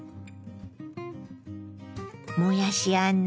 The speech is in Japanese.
もやしあんの